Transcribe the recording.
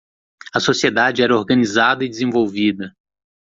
A sociedade era organizada e desenvolvida.